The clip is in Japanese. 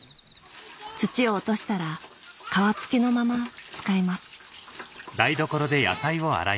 土を落としたら皮付きのまま使います